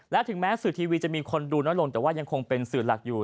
และถึงแม้สื่อทีวีจะมีคนดูน้อยลงแต่ว่ายังคงเป็นสื่อหลักอยู่